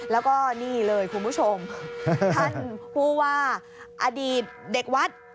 แล้วก็นี่เลยคุณผู้ชมท่านผู้ว่าอดีตเด็กวัด